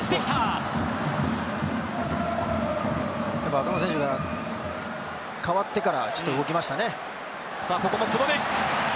浅野選手が代わってからゲームがちょっと動きましたね。